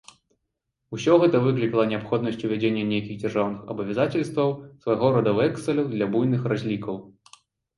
Усё гэта выклікала неабходнасць увядзення нейкіх дзяржаўных абавязацельстваў, свайго роду вэксаляў для буйных разлікаў.